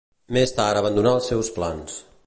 Més tard abandonà els seus plans.